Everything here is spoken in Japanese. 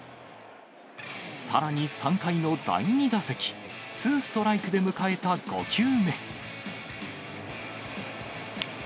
さらに３回の第２打席、ツーストライクで迎えた５球目。